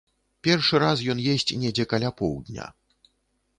Першы раз ён есць недзе каля поўдня.